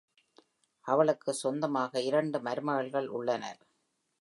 அவளுக்கு சொந்தமாக இரண்டு மருமகள்கள் உள்ளனர்.